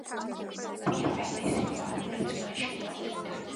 პირველი სიყვარულიც მაშინ მოვიდა.